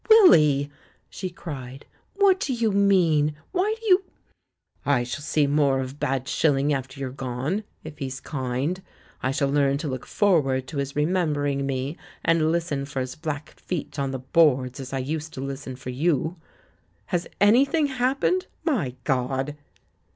"Willy!" she cried. "What do you mean? Why do you ?" "I shall see more of Bad Shilling after you're gone — if he's kind. I shall learn to look forward to his remembering me and listen for his black feet on the boards, as I used to listen for you. Has 'anything happened'? My God!"